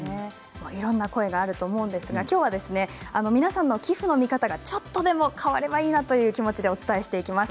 いろんな声があると思いますけど皆さんの寄付の見方がちょっと変わればいいなという気持ちでお伝えしていきます。